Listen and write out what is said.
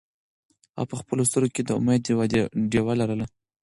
هغه په خپلو سترګو کې د امید یوه ډېوه لرله.